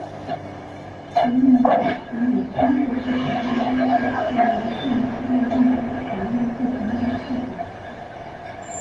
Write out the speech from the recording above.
使用者可以通过不同的搭配在有限的漏洞下导入不同的负载。